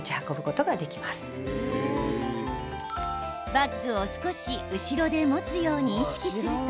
バッグを少し後ろで持つように意識すると